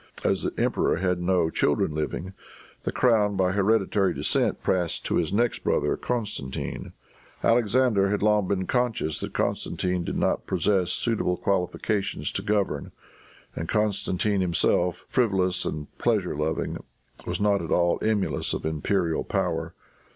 As the emperor had no children living, the crown, by hereditary descent, passed to his next brother, Constantine. Alexander had long been conscious that Constantine did not possess suitable qualifications to govern, and Constantine himself, frivolous and pleasure loving, was not at all emulous of imperial power.